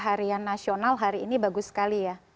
harian nasional hari ini bagus sekali ya